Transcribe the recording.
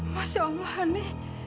masya allah ani